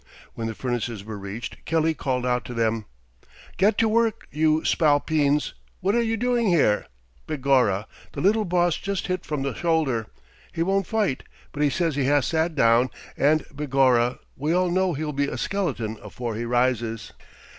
When the furnaces were reached, Kelly called out to them: "Get to work, you spalpeens, what are you doing here? Begorra, the little boss just hit from the shoulder. He won't fight, but he says he has sat down, and begorra, we all know he'll be a skeleton afore he rises.